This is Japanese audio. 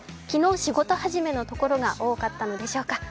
昨日、仕事始めのところが多かったのでしょうか。